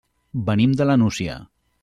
Venim de la Nucia.